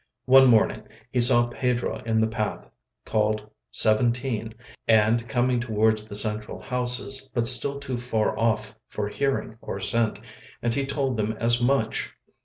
One morning he saw Pedro in the path called Seventeen and coming towards the central houses, but still too far off for hearing or scent, and he told them as much.